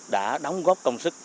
đã đóng góp công sức